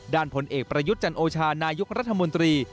ผลเอกประยุทธ์จันโอชานายกรัฐมนตรี